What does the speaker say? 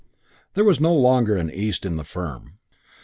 There was no longer an East in the firm.